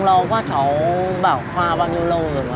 cô chú của đăng khoa vẫn im lặng